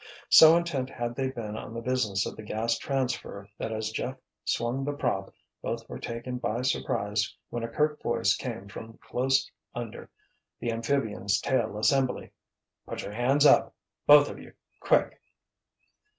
So intent had they been on the business of the gas transfer that as Jeff swung the "prop" both were taken by surprise when a curt voice came from close under the amphibian's tail assembly. "Put your hands up—both of you! Quick!"